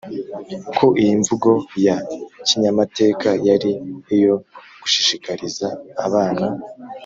ko iyi mvugo ya kinyamateka yari iyo gushishikariza abana